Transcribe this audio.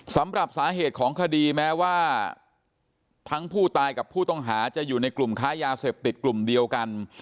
สำหรับสาเหตุของคดีแม้ว่าทั้งผู้ตายกับผู้ต้องหาจะอยู่ในกลุ่มค้ายาเสพติดกลุ่มเดียวกัน